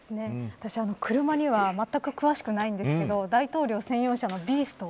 私、車にはまったく詳しくないんですけど大統領専用車のビースト。